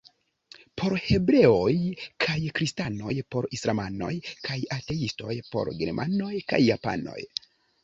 Por hebreoj kaj kristanoj, por islamanoj kaj ateistoj, por germanoj kaj japanoj.